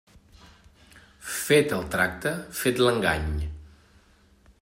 Fet el tracte, fet l'engany.